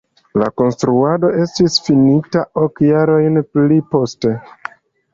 La konstruado estis finita ok jarojn pli poste.